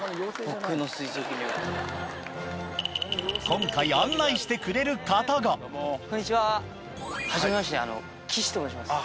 今回案内してくれる方がはじめまして岸と申します。